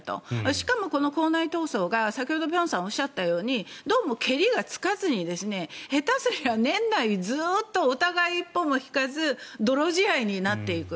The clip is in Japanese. しかも党内闘争が先ほど辺さんがおっしゃったようにどうもけりがつかずに下手をしたら年内ずっとお互い一歩も引かず泥仕合になっていく。